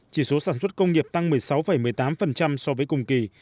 chỉ số sản xuất công nghiệp tăng một mươi sáu một mươi tám so với cùng kỳ